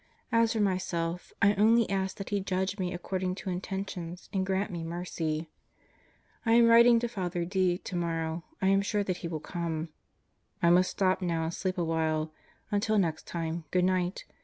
As for myself I only ask that He judge me according to intentions and grant me mercy. ... I am writing to Father D. tomorrow. I am sure that lie will come. I must stop now and sleep a while. Until next time Good Night.